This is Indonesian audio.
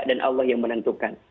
dan allah yang menentukan